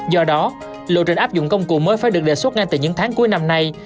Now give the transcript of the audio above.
do đó lộ trình áp dụng công cụ mới phải được đề xuất ngay từ những tháng cuối năm nay